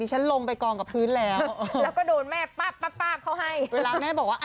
เห็นแมวละ